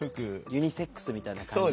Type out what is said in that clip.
ユニセックスみたいな感じよね？